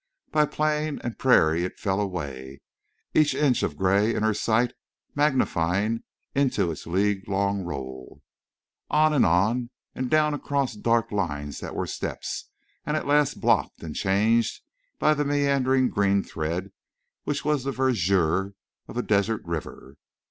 By plain and prairie it fell away, each inch of gray in her sight magnifying into its league long roll. On and on, and down across dark lines that were steppes, and at last blocked and changed by the meandering green thread which was the verdure of a desert river.